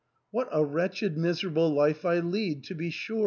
" What a wretched miserable life I lead, to be sure